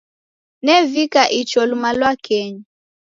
Nevika icho luma lwakenyi.